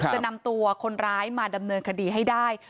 จะนำตัวคนร้ายมาดำเนินคดีให้ได้